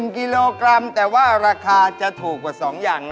๑กิโลกรัมแต่ว่าราคาจะถูกกว่า๒อย่าง